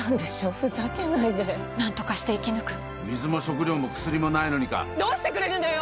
ふざけないで何とかして生き抜く水も食料も薬もないのにかどうしてくれるのよ！